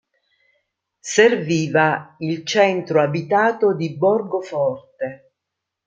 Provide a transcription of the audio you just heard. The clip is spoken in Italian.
Serviva il centro abitato di Borgoforte.